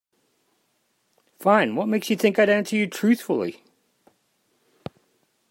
Fine, what makes you think I'd answer you truthfully?